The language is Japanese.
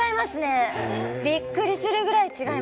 びっくりするぐらい違います。